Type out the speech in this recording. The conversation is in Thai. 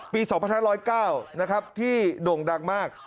ปี๒๑๐๙ที่โด่งดังมาก